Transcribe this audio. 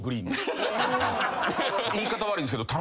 言い方悪いんですけど。